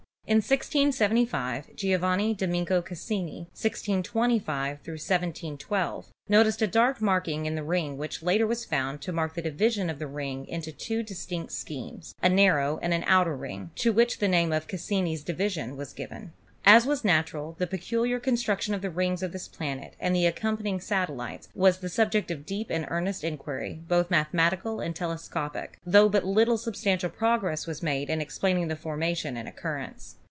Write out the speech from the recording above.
In 1675 Giovanni Domenico Cassini (1625 1712) no ticed a dark marking in the ring which later was found to mark the division of the ring into two distinct schemes, a narrow and outer ring, to which the name of "Cassini's Division" was given. As was natural, the peculiar con struction of the rings of this planet and the accompany ing satellites was the subject of deep and earnest inquiry, both mathematical and telescopic, tho but little substantial progress was made in explaining the formation and oc currence.